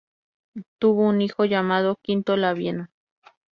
Tuvo un hijo llamado Quinto Labieno.